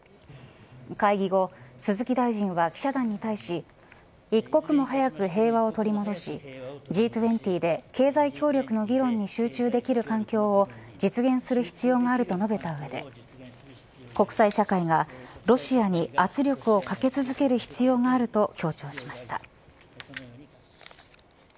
会議後、鈴木大臣は記者団に対し一刻も早く平和を取り戻しＧ２０で経済協力の議論に集中できる環境を実現する必要があると述べた上で国際社会がロシアに圧力をかけ続ける必要があると強調しました。